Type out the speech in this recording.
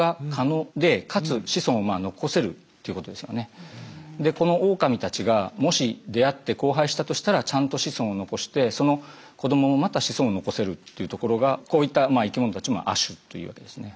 亜種はでこのオオカミたちがもし出会って交配したとしたらちゃんと子孫を残してその子どももまた子孫を残せるっていうところがこういった生きものたちを亜種というわけですね。